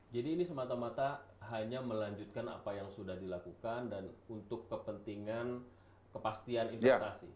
jadi ini semata mata hanya melanjutkan apa yang sudah dilakukan dan untuk kepentingan kepastian investasi